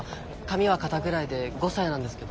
髪は肩くらいで５歳なんですけど。